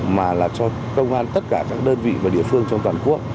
mà là cho công an tất cả các đơn vị và địa phương trong toàn quốc